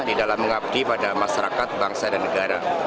di dalam mengabdi pada masyarakat bangsa dan negara